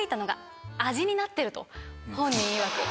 本人いわく。